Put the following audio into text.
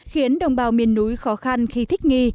khiến đồng bào miền núi khó khăn khi thích nghi